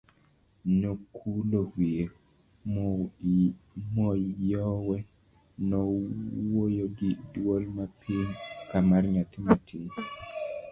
Nokulo wiye, Moyowe nowuoyo gi duol mapiny kamar nyathi matin.